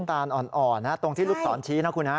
ตานอ่อนตรงที่ลูกศรชี้นะคุณฮะ